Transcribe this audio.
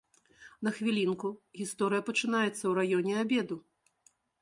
На хвілінку, гісторыя пачынаецца ў раёне абеду.